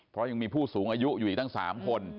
เพราะยังมีผู้สูงอายุอยู่อีกตั้ง๓คน